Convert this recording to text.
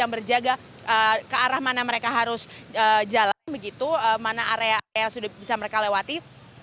yang berjaga ke arah mana mereka harus jalan begitu mana area yang sudah bisa mereka lewati